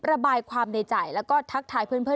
ระบายความในใจแล้วก็ทักทายเพื่อน